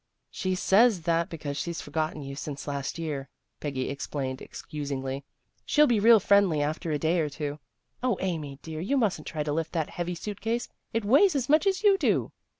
" She says that because she's forgotten you since last year," Peggy explained excusingly. THE RETURN OF PEGGY 9 " She'll be real friendly after a day or two. Amy, dear, you mustn't try to lift that heavy suit case. It weighs as much as you do."